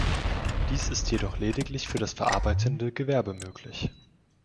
Dies ist jedoch lediglich für das verarbeitende Gewerbe möglich.